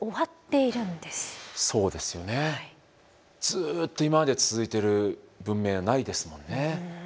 ずっと今まで続いてる文明はないですもんね。